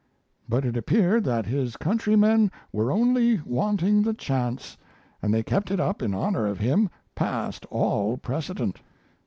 But it appeared that his countrymen were only wanting the chance, and they kept it up in honor of him past all precedent.